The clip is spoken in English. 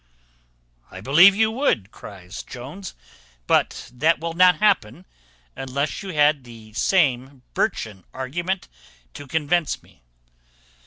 "I believe you would," cries Jones; "but that will not happen, unless you had the same birchen argument to convince me."